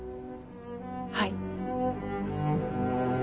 はい。